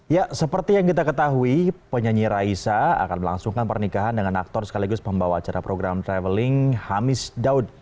ya seperti yang kita ketahui penyanyi raisa akan melangsungkan pernikahan dengan aktor sekaligus pembawa acara program traveling hamis daud